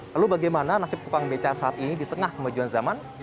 lalu bagaimana nasib tukang beca saat ini di tengah kemajuan zaman